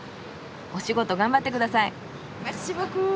お仕事頑張ってください。